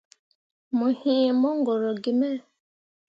Mo yee mongoro gi me.